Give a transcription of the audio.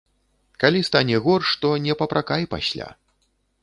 Калі стане горш, то не папракай пасля.